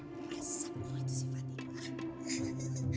rasaku itu si fatimah